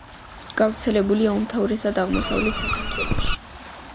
გავრცელებულია უმთავრესად აღმოსავლეთ საქართველოში.